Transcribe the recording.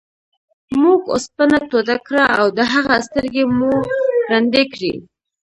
موږ اوسپنه توده کړه او د هغه سترګې مو ړندې کړې.